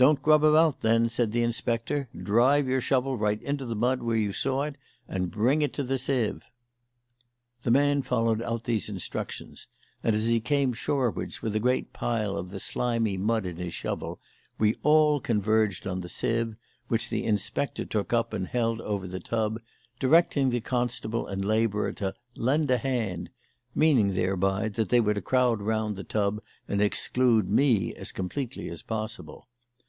"Don't grub about, then," said the inspector. "Drive your shovel right into the mud where you saw it and bring it to the sieve." The man followed out these instructions, and as he came shorewards with a great pile of the slimy mud on his shovel we all converged on the sieve, which the inspector took up and held over the tub, directing the constable and labourer to "lend a hand," meaning thereby that they were to crowd round the tub and exclude me as completely as possible.